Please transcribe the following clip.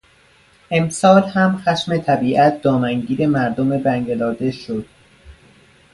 امسال هم خشم طبیعت، دامنگیر مردم بنگلادش شد.